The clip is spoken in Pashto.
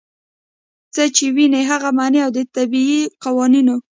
چې څۀ ويني هغه مني او د طبعي قوانینو